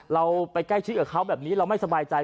เราไปใกล้ชิดกับเขาแบบนี้เราไม่สบายใจ